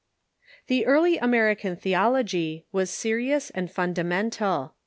] The early American Theology was serious and funda mental.